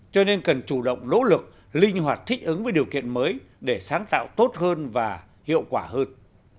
cho nên cần chủ động lỗ lực linh hoạt thích ứng với điều kiện mới để sáng tạo tốt hơn và hiệu quả hơn